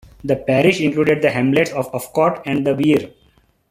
The parish includes the hamlets of Uffcott and The Weir.